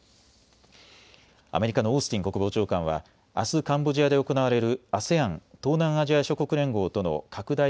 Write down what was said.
アメリカのオースティン国防長官はあすカンボジアで行われるＡＳＥＡＮ・東南アジア諸国連合との拡大